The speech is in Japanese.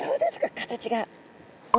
形が。